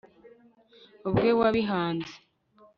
ubwe wabihanze